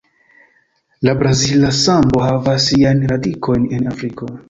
La brazila sambo havas siajn radikojn en Afriko.